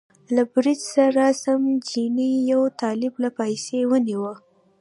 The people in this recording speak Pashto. له بړچ سره سم چیني یو طالب له پایڅې ونیوه.